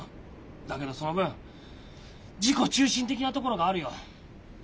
だけどその分自己中心的なところがあるよ。